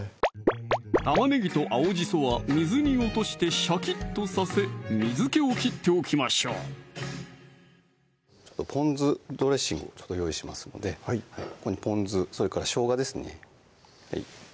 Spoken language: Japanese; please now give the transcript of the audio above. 玉ねぎと青じそは水に落としてシャキッとさせ水気を切っておきましょうぽん酢ドレッシングを用意しますのでここにぽん酢それからしょうがですね